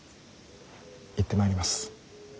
行ってまいります。